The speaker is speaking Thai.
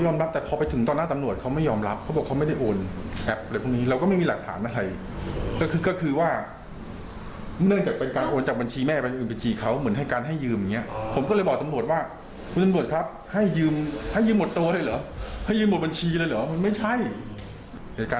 ไม่ใช่เหตุการณ์นี้มันเหมือนเป็นอุทาหรรณ์ว่า